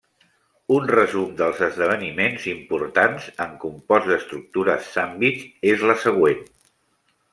Un resum dels esdeveniments importants en compost d'estructures sandvitx és la següent.